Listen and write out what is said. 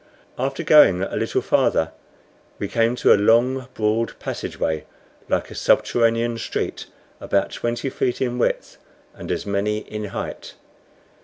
After going a little farther we came to a long, broad passage way like a subterranean street, about twenty feet in width, and as many in height.